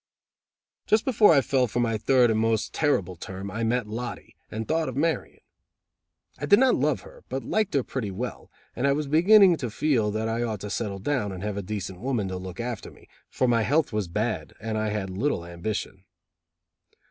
Just before I fell for my third and most terrible term, I met Lottie, and thought of marrying. I did not love her, but liked her pretty well, and I was beginning to feel that I ought to settle down and have a decent woman to look after me, for my health was bad and I had little ambition.